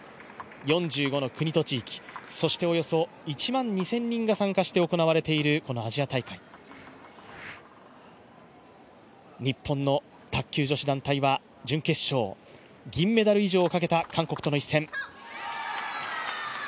４９の国と地域、そしておよそ１万２０００人が参加しているアジア大会、日本の卓球女子団体は準決勝、銀メダル以上をかけた韓国との一戦。